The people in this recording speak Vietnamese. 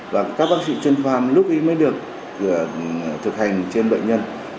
và các bác sĩ chuyên khoan lúc ý mới được thực hành trên bệnh nhân